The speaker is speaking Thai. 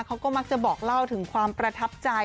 เขาก็มักจะบอกเล่าถึงความประทับใจ